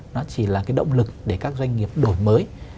nó chỉ là cái động lực để các doanh nghiệp đổi mới